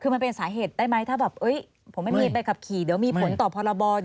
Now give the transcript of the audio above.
คือมันเป็นสาเหตุได้ไหมถ้าแบบผมไม่มีใบขับขี่เดี๋ยวมีผลต่อพรบ